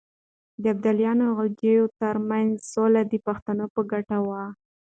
د ابدالیانو او غلجیو ترمنځ سوله د پښتنو په ګټه وه.